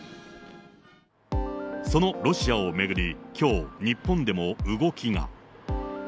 そのロシアを巡り、きょう、日本でも動きが。